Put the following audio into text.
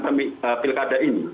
di wilkada ini